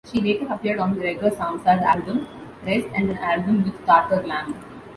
She later appeared on Gregor Samsa's album "Rest", and an album with Tartar Lamb.